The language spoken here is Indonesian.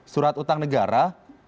surat utang negara